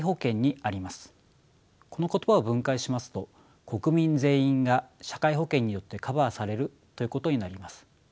この言葉を分解しますと国民全員が社会保険によってカバーされるということになります。